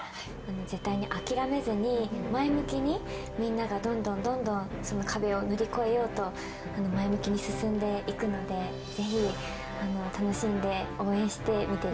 絶対に諦めずに前向きにみんながどんどんどんどんその壁を乗り越えようと前向きに進んでいくのでぜひ楽しんで応援して見て頂けたらうれしいなと思います。